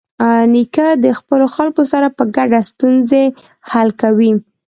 نیکه د خپلو خلکو سره په ګډه ستونزې حل کوي.